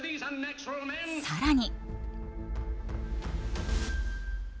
更に。